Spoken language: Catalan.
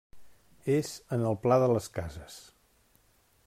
És en el Pla de les Cases.